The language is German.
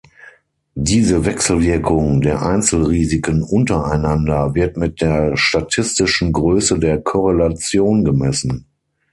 Diese Wechselwirkung der Einzelrisiken untereinander wird mit der statistischen Größe der Korrelation gemessen.